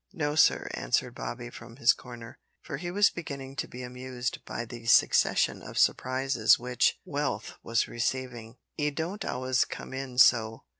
"No, sir," answered Bobby from his corner, for he was beginning to be amused by the succession of surprises which Wealth was receiving, "'e don't always come in so.